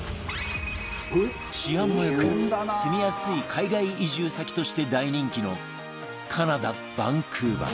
治安も良く住みやすい海外移住先として大人気のカナダバンクーバー